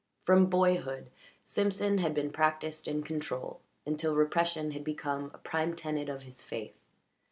From boyhood Simpson had been practised in control, until repression had become a prime tenet of his faith.